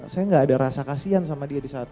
saya nggak ada rasa kasihan sama dia di satu